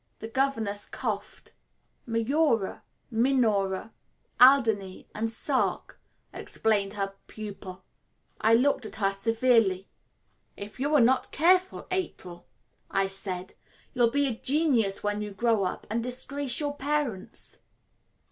The governess coughed. "Majora, Minora, Alderney, and Sark," explained her pupil. I looked at her severely. "If you are not careful, April," I said, "you'll be a genius when you grow up and disgrace your parents."